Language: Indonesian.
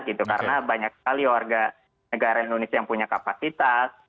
karena banyak sekali warga negara indonesia yang punya kapasitas